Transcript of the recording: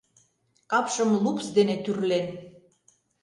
Капшым лупс дене тӱрлен.